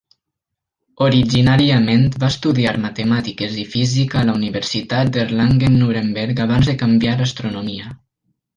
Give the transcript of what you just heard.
Originàriament va estudiar matemàtiques i física a la Universitat d'Erlangen-Nuremberg abans de canviar a Astronomia.